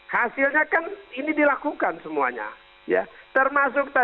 hasilnya kan ini dilakukan semuanya